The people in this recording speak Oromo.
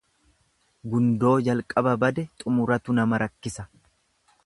Gundoo jalqaba bade xumuratu nama rakkisa.